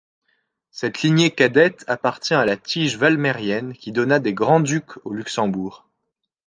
Cette lignée cadette appartient à la tige valmérienne qui donna des grands-ducs au Luxembourg.